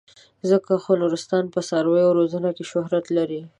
ځکه خو نورستان په څارویو روزنه کې شهرت لري.